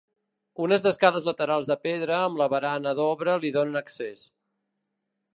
Unes escales laterals de pedra amb la barana d'obra li donen accés.